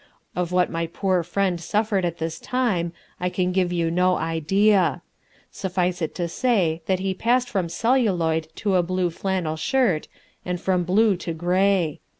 Of what my poor friend suffered at this time, I can give you no idea; suffice it to say that he passed from celluloid to a blue flannel shirt and from blue to grey.